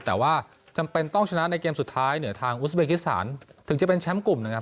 แต่ว่าจำเป็นต้องชนะในเกมสุดท้ายเหนือทางอุสเบกิสถานถึงจะเป็นแชมป์กลุ่มนะครับ